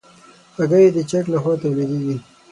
هګۍ د چرګ له خوا تولیدېږي.